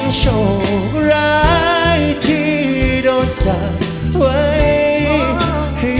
ขอเชิญอาทิตย์สำคัญด้วยค่ะ